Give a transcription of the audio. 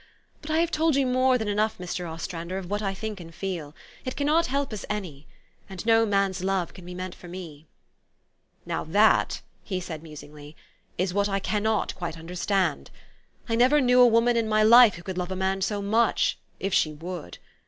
But I have told you more than enough, Mr. Ostrander, of what I think and feel. It cannot help us any. And no man's love can be meant for me." " Now that," he said musingly, " is what I can not quite understand. I never knew a woman in my life who could love a man so much if she would.